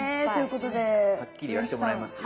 はっきり言わしてもらいますよ。